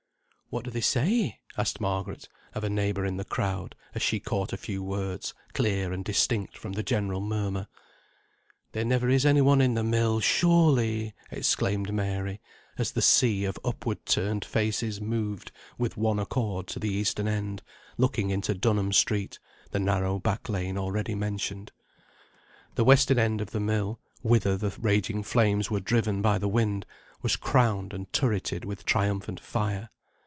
"What do they say?" asked Margaret, of a neighbour in the crowd, as she caught a few words, clear and distinct, from the general murmur. "There never is anyone in the mill, surely!" exclaimed Mary, as the sea of upward turned faces moved with one accord to the eastern end, looking into Dunham Street, the narrow back lane already mentioned. The western end of the mill, whither the raging flames were driven by the wind, was crowned and turreted with triumphant fire.